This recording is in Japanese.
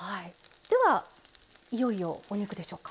ではいよいよお肉でしょうか。